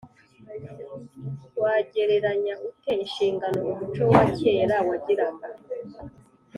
Wagereranya ute inshingano umuco wa kera wagiraga